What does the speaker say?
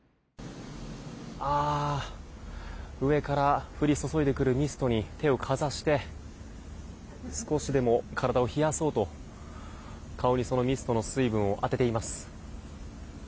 上から降り注いでくるミストに手をかざして少しでも体を冷やそうと顔に、そのミストの水分を当てています。